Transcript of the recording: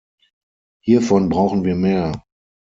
Hiervon brauchen wir mehr.